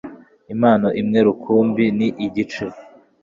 Impano imwe rukumbi ni igice